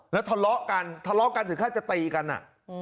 แล้วทะเลาะกันทะเลาะกันถึงขั้นจะตีกันอ่ะ